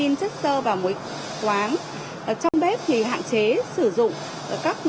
nhập vào bếp